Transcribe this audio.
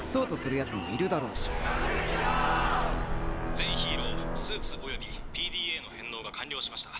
「全ヒーロースーツ及びＰＤＡの返納が完了しました。